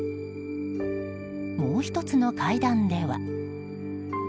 もう１つの階段では。